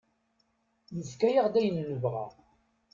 Yefka-aɣ-d ayen nebɣa.